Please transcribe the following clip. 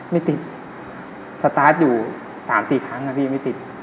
ไม่ติดสตาร์ทอยู่๓๔ครั้งนะพี่ยังไม่ติด